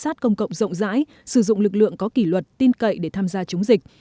giám sát công cộng rộng rãi sử dụng lực lượng có kỷ luật tin cậy để tham gia chống dịch